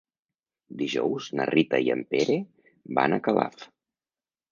Dijous na Rita i en Pere van a Calaf.